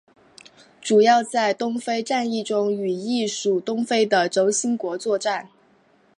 主要在东非战役中与意属东非的轴心国作战。